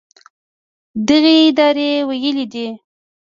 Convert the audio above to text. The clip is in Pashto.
دغې ادارې ویلي دي